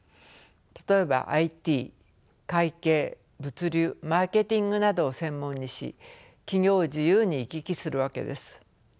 例えばＩＴ会計物流マーケティングなどを専門にし企業を自由に行き来するわけです。